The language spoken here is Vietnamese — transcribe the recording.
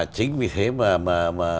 chính vì thế mà